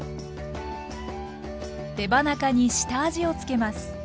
手羽中に下味を付けます。